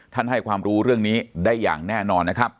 ให้ความรู้เรื่องนี้ได้อย่างแน่นอนนะครับ